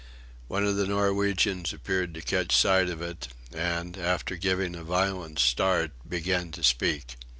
One of the Norwegians appeared to catch sight of it, and, after giving a violent start, began to speak.